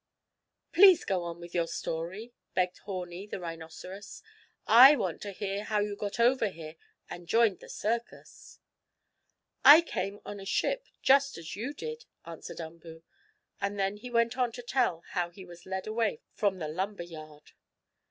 "Please go on with your story," begged Horni, the rhinoceros. "I want to hear how you got over here, and joined the circus." "I came on a ship, just as you did," answered Umboo, and then he went on to tell how he was led away from the lumber yard.